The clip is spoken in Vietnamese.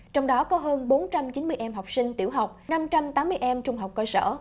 trong đó có hơn bốn trăm chín mươi em học sinh tiểu học năm trăm tám mươi em trung học cơ sở